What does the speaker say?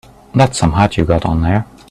That's some hat you got on there.